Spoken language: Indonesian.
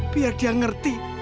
biar dia ngerti